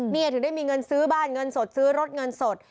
ถึงได้มีเงินซื้อบ้านเงินสดซื้อรถเงินสด